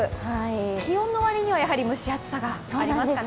気温の割には蒸し暑さがありますかね。